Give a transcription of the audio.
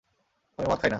আমি মদ খাই না।